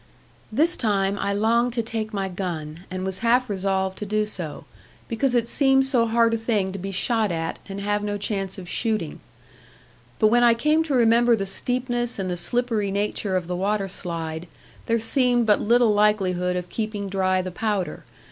This time I longed to take my gun, and was half resolved to do so; because it seemed so hard a thing to be shot at and have no chance of shooting; but when I came to remember the steepness and the slippery nature of the waterslide, there seemed but little likelihood of keeping dry the powder.